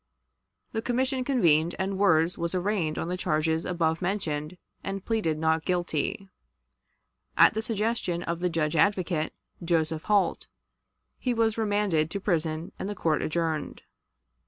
The commission convened, and Wirz was arraigned on the charges above mentioned, and pleaded not guilty. At the suggestion of the Judge Advocate, Joseph Holt, he was remanded to prison and the court adjourned.